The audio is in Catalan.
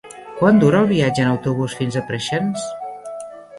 Quant dura el viatge en autobús fins a Preixens?